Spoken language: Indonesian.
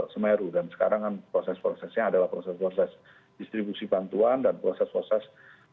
semeru dan sekarang kan proses prosesnya adalah proses proses distribusi bantuan dan proses proses